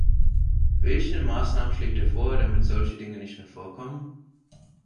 Welche Maßnahmen schlägt er vor, damit solche Dinge nicht mehr vorkommen?